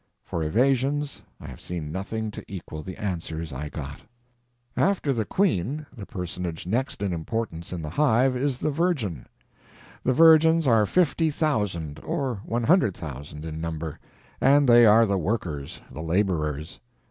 For evasions, I have seen nothing to equal the answers I got. After the queen, the personage next in importance in the hive is the virgin. The virgins are fifty thousand or one hundred thousand in number, and they are the workers, the laborers.